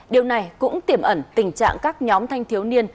điều này cũng tiềm ẩn tình trạng các nhóm thanh thiếu niên